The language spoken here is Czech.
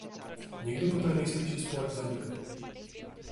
Někdy poté nejspíše spolek zanikl.